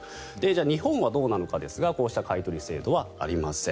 日本はどうなのかですがこうした買い取り制度はありません。